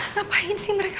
ngapain sih mereka